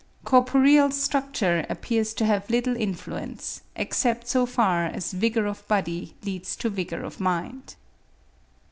Corporeal structure appears to have little influence, except so far as vigour of body leads to vigour of mind.